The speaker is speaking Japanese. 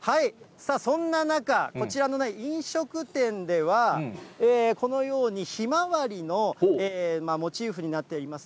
そんな中、こちらの飲食店では、このようにひまわりのモチーフになっています